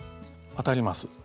当たります。